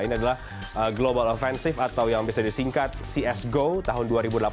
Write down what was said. ini adalah global offensive atau yang bisa disingkat cs go tahun dua ribu delapan belas